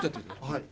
はい。